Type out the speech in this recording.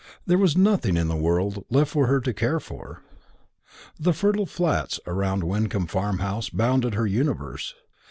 There was nothing in the world left for her to care for. The fertile flats around Wyncomb Farmhouse bounded her universe.